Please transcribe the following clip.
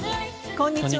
こんにちは。